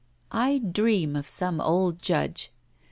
I dream of some old Judge!